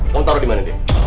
kamu tau di mana dia